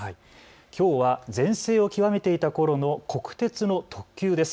きょうは全盛を極めていたころの国鉄の特急です。